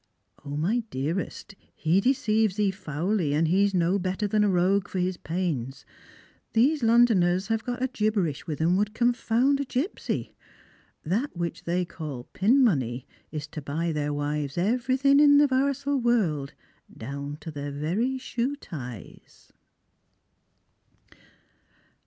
0, my dearest, he deceives thee foully, and he's no Letter than a rogue for his pains. These Londoners have got a gibberish with 'em would confound a gipsy. That which they call pin money is to buy their wives everything in the varsal world, down to their very shoe ties."